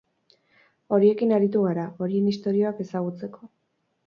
Horiekin aritu gara, horien istorioak ezagutzeko.